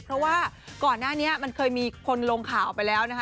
เพราะว่าก่อนหน้านี้มันเคยมีคนลงข่าวไปแล้วนะคะ